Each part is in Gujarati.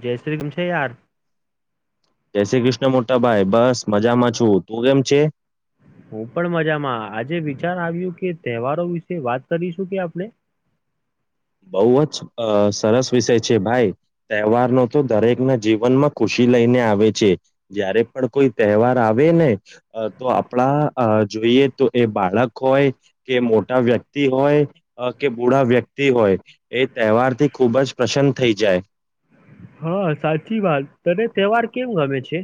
જય શ્રી કૃષ્ણ યાર. જય શ્રી કૃષ્ણ મોટા ભાઈ. બસ મજામાં છું, તું કેમ છે? હું પણ મજામાં, આજે વિચાર આવ્યું કે તહેવારો વિશે વાત કરીશું કે આપણે? [unintelligible] બઉ અ જ સરસ વિષય છે ભાઈ. તહેવારનો તો દરેક ના જીવનમાં ખુશી લઈને આવે છે. જયારે પણ કોઈ તહેવાર આવ વે ને તો આપણા જોઈએ તો એ બાળક હોય કે મોટા વ્યક્ત તી હોય કે બુઢા વ્યક્ત તી હોય એ તહેવાર થી ખૂબ જ પ્રસન્ન થઈ જાય. હા, સાચી વાત તને તહેવાર કેમ ગમે છે?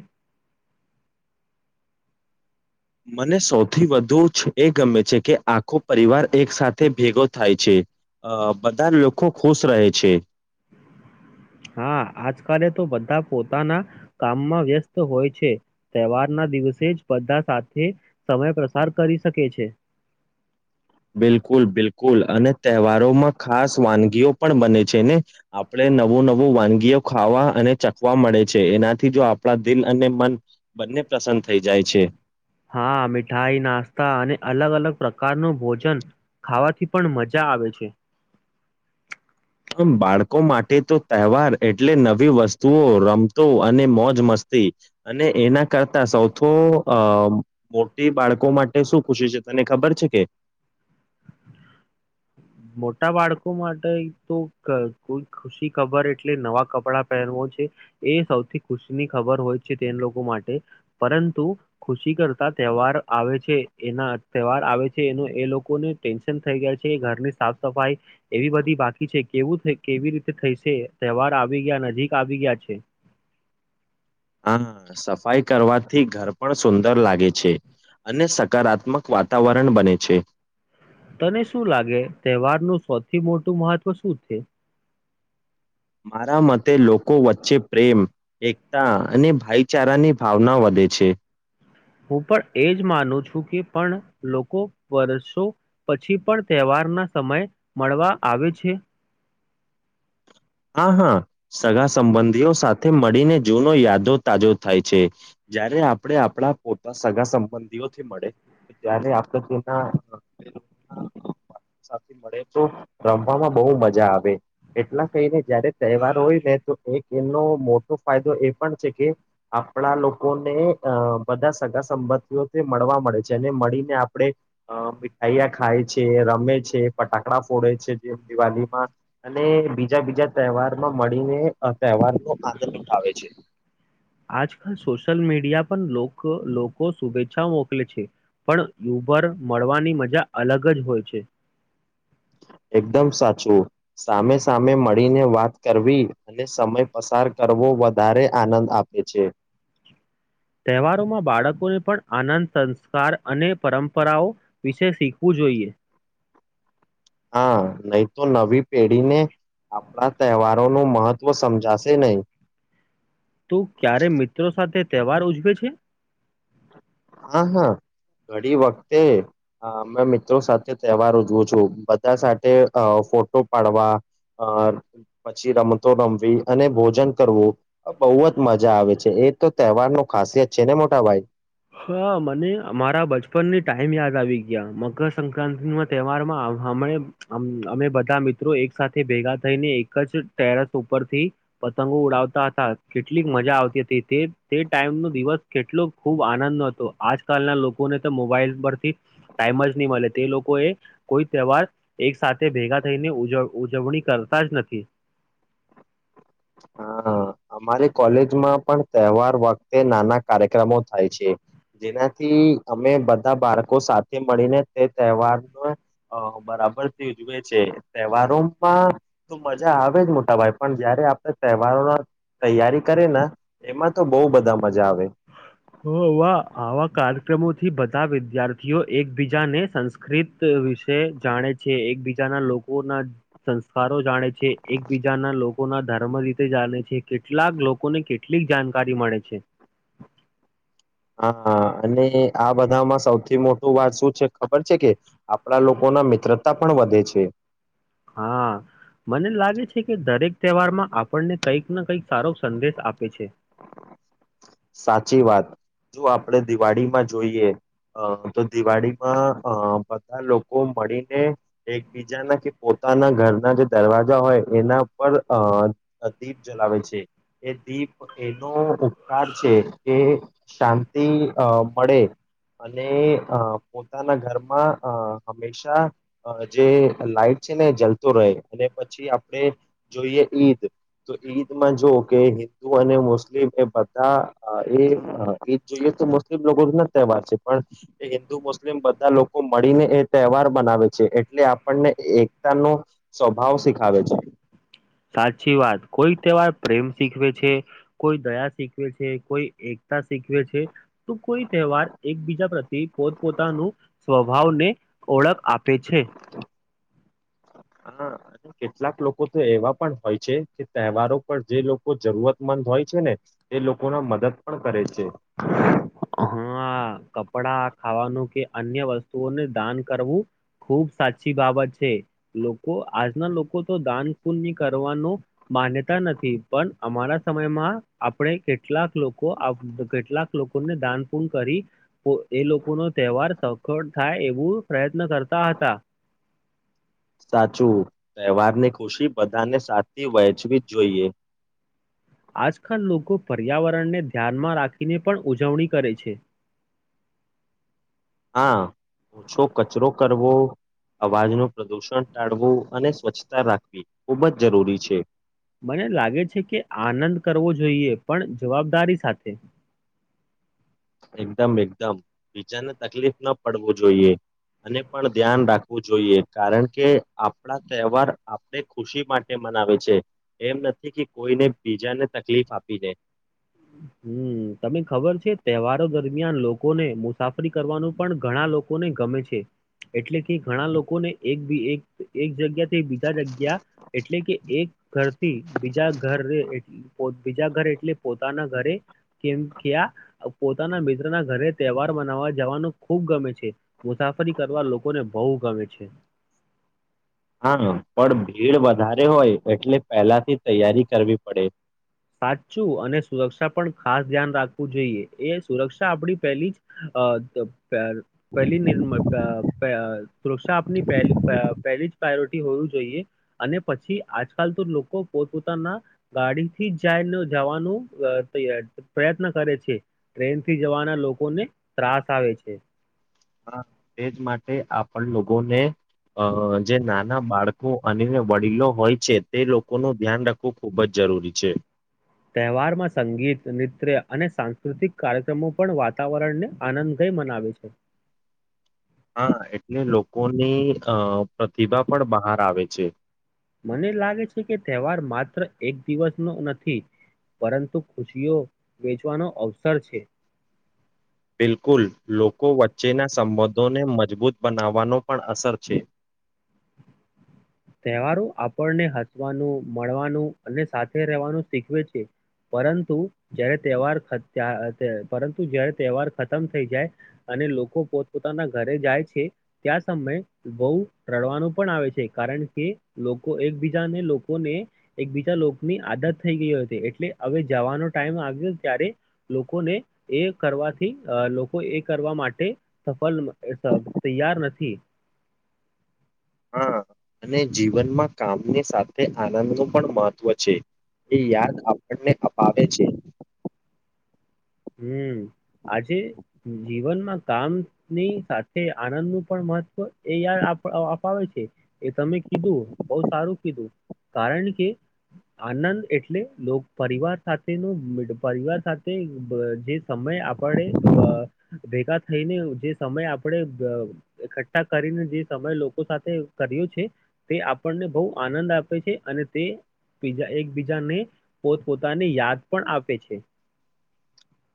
મને સૌથી વધુ એ ગમે છે કે આખો પરિવાર એક સાથે ભેગો થાય છે અ બધા જ લોકો ખુશ રહે છે હા આજકાલે તો બધા પોતાના કામમાં વ્યસ્ત હોય છે તહેવારના દિવસે જ બધા સાથે સમય પ્રસાર કરી શકે છે બિલકુલ બિલકુલ અને તહેવારો માં ખાસ વાનગીઓ પણ બને છે ને આપડે નવું નવું વાનગીયો ખાવા અને ચખવા મળે છે એનાથી જો આપણા દિલ અને મન બંને પ્રસન્ન થઈ જાય છે હા મીઠાઈ નાસ્તા અને અલગ અલગ પ્રકાર નું ભોજન ન ખાવાથી પણ મજા આવે છે બાળકો માટે તો તહેવાર એટલે નવી વસ્તુઓ રમતો અને મોજ મસ્ત તી અને એના કરતા સૌથી અ મોટી બાળકો માટે શું ખુશી છે તને ખબર છે કે મોટા બાળકો માટે તો કોઈ ખુશી ખબર એટલે નવા કપડાં પહેરવો છે એ સૌથી ખુશી ની ખબર વાર હોય છે તે લોકો માટે પરંતુ ખુશી કરતા તહેવાર આવે છે એના તહેવાર આવે છે એનો એ લોકોને ટેન્શન થઈ ગયા છે એ ઘરની સાફ સફાઈ, એવી બધી બાકી છે કેવું કેવી રીતે થઈ છે તહેવાર આવી ગયા નજીક આવી યા છે. હા સફાઈ કરવાથી ઘર પણ સુંદર લાગે છે અને સકારાત્મક વાતાવરણ બને છે તને શું લાગે તહેવારનું સ્ થી મોટું મહત્વ શું છે? મારા મતે લોકો વચ્ચે વચ્ચે પ્રેમ, એકતા, અને ભાઈચારાની ભાવના વધે છે. હું પણ એજ માનું છ. કે પણ લોકો વર્ષો પછી પણ તહેવારના સમય મળવા આવે છે. હા હા, સગા સંબંધીઓ સાથે મળીને જૂનો યાદો તાજો થાય છે, જયારે આપણે આપણા પોતા સગા સંબંધીઓથી મળે ત્યારે આપ હા હા. મળે તો રમવામાં બહુ મજા આવે, એટલા એનો મોટો ફાયદો એ પણ છે કે, આપણા લોકોને અ બધા સગા સંબંધઓ મળવા મળે છે અને મળીને, આપડણે મીઠાાઈયા ખાય છે, રમે ફટાકડા ફોડે છે જે દિવાળમાં, અને બ બીજા બીજા તહેવાર માં મળીને આ તહેવાર નો આનંદ ઉઠાવે છે. આજકાલ સોશિયલ મીડિયા પણ લોકો શુભેચ્છાઓ મોકલે છે. પણ યુબર મળવાની મજા અલગ જ હોય છે. [inaudible] એકદમ સાચું સામે સામે મળીને વાત કરવી, અને સમય પસાર કરવો. વધારે આનંદ આપે છે. [inaudible] તહેવારોમાં બાળકોને પણ આનંદ સંસ્કાર અને પરંપરાઓ, વિશે શીખવું જોઈએ. જોઈએ. હા નહી તો નવી પેઢીને. આપણા તહેવારોનું મહત્વ સમજાશે નહી. તું ક્યારે મિત્રો સાથે તહેવાર ઉજવે છે? હા હા, ઘડી વખતે મિત્રો સાથે તહેવાર ઉજવું છું બધા સાથે ફોટો પાડવા. અ પછી રમતો રમવી અને ભોજન કરવું, બહુ જ મજા આવે છે એ તો તહેવાર ન ખાસિયત છે ને મોટા ભાઈ. હા મને અમારા બચપનની ટાઈમ યાદ આવી ગયા મકરસક્રાિ ના તહેવાર માં હમ અમે બધા મિત્રો એક સાથે ભેગા થઈને એક જ ટેરસ ઉપરથી, પતંગો ઉડાવતા હતા કેટલીક મજા આવતી હતી તે તે ટાઈમ નો દિવસ કેટલો ખૂબ આનંદ આજકાલના લોકોને તો મોબાઈલ પરથી, ટાઈમ જ નહી મળે તે લોકો એ કોઈ વાર એક સાથે ભેગા થઈને ઉજવણી કરતા જ નથી. હમ. હા અમારી કોલેજમાં પણ તહેવાર વખતે નાના કાર્યક્રમો થાય છે. જેનાથી અમે બધા બાળકો સાથે મળીને તે તહેવારને, બરાબરથી ઉજવે છે, તહેવારો તો મજા આવે જ મોટા ભાઈ પણ જયારે આપણે તહેવારોના તૈયારી કરે ને, એમાં તો બહ બધા મજા આવે. હ વા આવા કાર્યક્રમોથી બધા વિદ્યાર્થીઓ એકબીજાને સંસ્કૃત વિશે જાણે છે એકબીજા ના લોકો ના સંસ્કારો જાણે છે એકબીજાના લોકો ના ધર્મ રીતે જાણે છે. કેટલાક લોકોને કેટલીક જાણકારી મળે છે. હા અને આ બધામાં સૌથી મોટું વાત શું છે ખબર છે કે? આપણા લોકોના મિત્રતા પણ વધે છે. હા, મને લાગે છે કે દરેક તહેવારમાં આપણને કંઈક ને કંઈક સારો સંદેશ આપે છે. સાચી વાત, જો આપડે દિવાળીમાં જોઈએ. અ તો દિવાળીમાં અ બધા લોકો મળીને એક બીજાના કે પોતાના ઘરના જે દરવાજા હોય એના ઉપર અ દીપ જલાવે છે, એ દીપ એનો ઉપકાર છે એ શાંત થી અ મળે. અને અ પોતાના ઘરમાં અ હંમેશા જે લાઈટ છે ને જલતું રહે અને પછી આપણે જોઈએ ઈદ, તો ઈદમાં જો કે હિન્દુ અને મુસ્લિમ એ બધા એ એ જ જોઈએ તો મુસ્લિમ લોકો ના તહેવાર છે. પણ એ હિન્દુ મુસ્લિમ બધા લોકો મળીને એ તહેવાર બનાવે છે એટલે આપણને એકતા નો સ્વભાવ શીખાવે છે. સાચી વાત કોઈ તહેવાર પ્રેમ શીખવે છે. કોઈ દયા શીખવે છે કોઈ એકતા શીખવે છે. તો કોઈ તહેવાર એકબીજા પ્રત્ય પોતપોતાનું સ્વભાવને, ઓળખ આપે છે. હા કેટલાક લોકો તો એવા પણ હોય છે કે તહેવારો પર જે લોકો જરૂરતમંદ હોય છે ને. એ લોકો ના મદદ પણ કરે છે. હ [unintelligible] હા કપડા ખાવાનું કે અન્ય વસ્તુઓને દાન કરવું ખુબ સાચી બાબત છે, લોકો આજના લોકો તો દાન પુન્ય કરવાનો માન્યતા નથી પણ અમારા સમયમાં આપણે કેટલાક લોકો કેટલાક લોકોને દાન પુન કરી, એ લોકો ન તહેવાર સખળ થાય એવું પ્રયત્ન કરતા હતા. સાચું, તહેવારની ખુશી બધાને સાચી વહેંચવી જ જોઈએ. આજકાલ ને પણ ઉજવણી કરે છે. હા, ઓછો કચરો કરવો. અવાજનું પ્રદુષણ ટાળવું અને સ્વચ્છતા રાખવી, ખૂબ જ જરૂરી છે. મને લાગે છે કે આનંદ કરવો જોઈએ પણ જવાબદારી સાથે. એકદમ એકદમ બીચાને તકલીફ ના પડવું જોઈએ. અને પણ ધ્યાન રાખવું જોઈએ કારણ કે આપણા તહેવાર આપણે ખુશી માટે મનાવે છે, એમ નથી કે કોઈને બીજાને તકલીફ આપી દે. હમ તમને ખબર છે તહેવારો દરમિયાન લોકોને મુસાફરી કરવાનું પણ ઘણા લોકોને ગમે છે. એટલે કે ઘણા લોકોને એક બી એક એક જગ્યા બીજા જગ્યા એટલે કે એક ઘરથી બીજા ઘરે બીજા ઘર એટલે પોતે ના ઘરે. કેમ ક્યા પોતાના મિત્ર ના ઘરે તહેવાર મનાવવા જવાનું ખુબ ગમે છે. મુસાફરી કરવા લોકોને બહુ ગમે છે. હા પણ ભીડ વધારે હોય એટલે પહેલાથી તૈયારી કરવી પડે. સાચું અને સુરક્ષા પણ ખાસ ધ્યાન રાખવું જોઈએ એ સુરક્ષા આપડી પહેલી જ અ તો પહેલી નિર્ તૃક્ષા આપની પ પહેલી જ પ્રાયોરિટી હોવીું જોઈએ, અને પછી આજકાલ લોકો પોતપ પોતાના, ગાડી થી જાય જવાનું પ્રયત્ન કરે છે ટ્રેન થી જવાના લોકોને ત્રાસ આવે છે. હા તેજ માટે આપણ લોકોને. અ જે નાના બાળકો અને વડીલો હોય છે તે લોકોનું ધ્યાન રાખવું ખુબ જ જ જરૂરી છે તહેવારમાં સંગીત નૃત્ય અને સાંસ્કૃતિક કાર્યક્રમો પણ વાતાવરણને આનંદ ગયો મનાવે છે હા એટલે લોકોની અ પ્રતિભા પણ બહાર આવે છે મને લાગે છે કે તહેવાર માત્ર એક દિવસ નો નથી પરંતુ ખુશીઓ વેચવાનો અવસર છે બિલકુલ લોકો વચ્ચેના સંબંધોને મજબૂત બનાવવાનો પણ અસર છે તહેવારો આપણને હસવાનું મળવાનું અને સાથે રહેવાનું શીખવે છે પરંતુ જ્યારે તહેવાર પરંતુ જય્યારે તહેવાર ખતમ થઈ જાય અને લોકો પોત પોતાના ઘરે જાય છે ત્યાં સમય બહ રડવાનું પણ આવે છે કારણ કે લોકો એકબીજાને લોકોને એકબીજા લોકોની આદત થઈ ગઈ હતી એટલે હવે જવાનો ટાઈમ આવ્યો ત્યારે લોકોને એ કરવાથી લોકો એ કરવા માટે સફલ તૈયાર નથી હા અને જીવનમાં કામની સાથે આનંદ નું પણ મહત્વ છે એ યાદ આપણને અપાવે છે હમ આજે જીવનમાં કામની સાથે આનંદ નું પણ મહત્વ એ યાદ અપાવે છે એ તમે કીધું બહ સારું કીધું કારણ કે આનંદ એટલે લો પરિવાર સાથેનો પરિવાર સાથે જે સમય આપણે ભેગા થઈને જે સમય આપણેે એકઠ્ઠા કરીને જે સમય લોકો સાથે કર્યો તે આપણને બહુ આનંદ આપે છે અને તે બીજા એકબીજાને પોત પોોતાને યાદ પણ આપે છે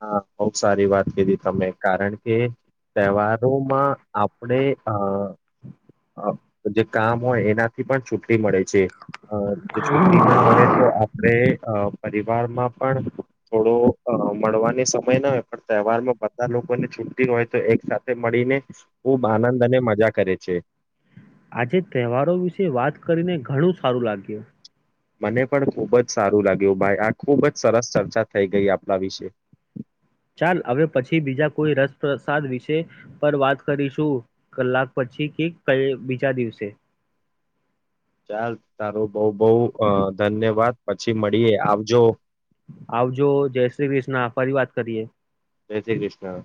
હા બહ સારી વાત કીધી તમે કારણ કે તહેવારોમાં આપડે અ અ જે કામ હોય એનાથી પણ છુટ્ટી મળે છે અ જો છુટ્ટી ન હોય તો આપડે અ પરિવારમાં પણ થોડો અ મળવાની સમય ન હો પણ તહેવાર માં બધા લોકોને છુટ્ટી હોય તો એક સાથે મળીને ખુબ આનંદ અને મજા કરે છ છે. આજે તહેવારો વિશે વાત કરીને ઘણું સારું લાગ્યું. મને પણ ખુબ જ સારું લાગ્યું, ભાઈ આ ખુબ જ સરસ ચર્ચા થઈ ગઈ આપણા વિશે. ચાલ અવે પછી બીજા કોઈ રસપ્રસાદ વિશે પર વાત કરીશું કલાક પ છી કે કલ બીજા દિવસે ચાલ તારું બઉ બઉ ધન્યવાદ પછી મળીએ આવજો. જો જે શ્રી ક્રિષ્ણ ફરી વાત કરીએ જે શ્રી ક્રિષ્ણ.